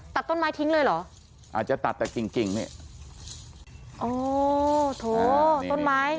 ตัดต้นไม้ทิ้งเลยเหรออาจจะตัดแต่กิ่งกิ่งนี่อ๋อโถต้นไม้